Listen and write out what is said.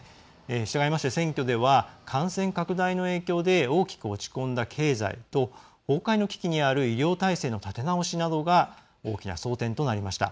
したがいまして選挙では感染拡大の影響で大きく落ち込んだ経済と崩壊の危機にある医療体制の立て直しなどが大きな争点となりました。